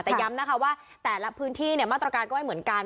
แต่ย้ำนะคะว่าแต่ละพื้นที่มาตรการก็ไม่เหมือนกัน